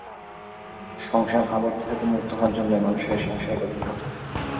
সংসার-আবর্ত হইতে মুক্ত হওয়ার জন্যই মানুষের এই সাংসারিক অভিজ্ঞতা।